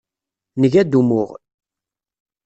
Nga-d umuɣ.